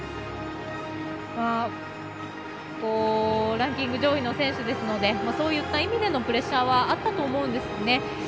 ランキング上位の選手ですのでそういった意味でのプレッシャーはあったと思うんですよね。